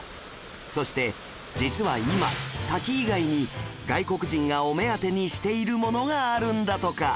そして実は今滝以外に外国人がお目当てにしているものがあるんだとか